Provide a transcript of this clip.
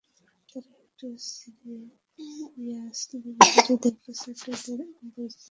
তারা একটু সিরিয়াসলি বিষয়টি দেখলে ছাত্রদের এমন পরিস্থিতিতে পড়তে হতো না।